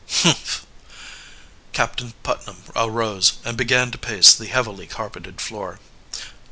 "Humph!" Captain Putnam arose and began to pace the heavily carpeted floor.